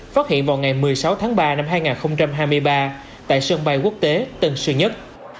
phát hiện vào ngày một mươi sáu tháng ba năm hai nghìn hai mươi ba tại sân bay quốc tế tân sơn nhất